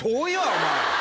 お前。